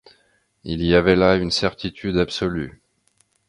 Il y avait là une certitude absolue.